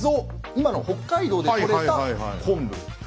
今の北海道でとれた昆布なんですね。